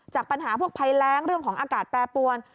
จากปัญหาพวกภัยแรงเรื่องของอากาศแปรปวน